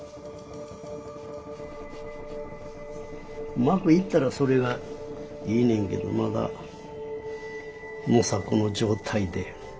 うまくいったらそれがいいねんけどまだ模索の状態で。